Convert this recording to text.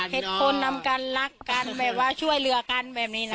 เห็นคนนำกันรักกันแบบว่าช่วยเหลือกันแบบนี้นะ